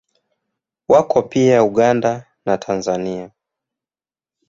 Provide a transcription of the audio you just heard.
Wako pia Uganda na Tanzania.